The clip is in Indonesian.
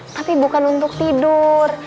tapi bukan untuk tidur